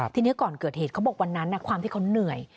ทีนี้ก่อนเกิดเหตุเขาบอกวันนั้นความที่เขาเหนื่อย